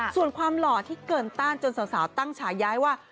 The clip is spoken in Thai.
ส่วนความหล่อที่เกินต้านจนสาวตั้งฉาย้ายว่า